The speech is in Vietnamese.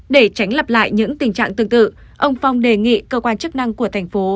để tránh lặp lại những tình trạng tương tự ông phong đề nghị cơ quan chức năng của thành phố